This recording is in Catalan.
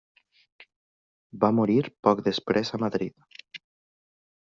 Va morir poc després a Madrid.